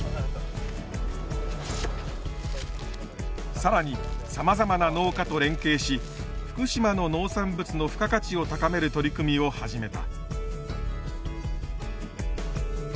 更にさまざまな農家と連携し福島の農産物の付加価値を高める取り組みを始めた。